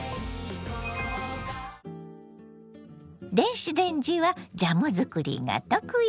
電子レンジはジャム作りが得意。